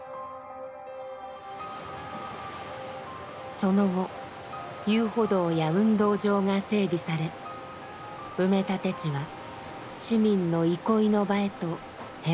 その後遊歩道や運動場が整備され埋め立て地は市民の憩いの場へと変貌しました。